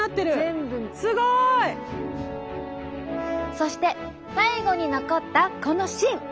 すごい！そして最後に残ったこの芯。